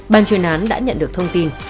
ban chuyên án đã nhận được thông tin